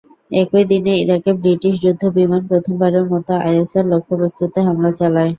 একই দিনে ইরাকে ব্রিটিশ যুদ্ধবিমান প্রথমবারের মতো আইএসের লক্ষ্যবস্তুতে হামলা চালায়।